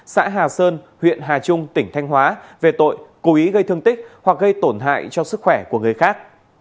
xã hà sơn huyện hà trung tỉnh thanh hóa về tội cố ý gây thương tích hoặc gây tổn hại cho sức khỏe của người khác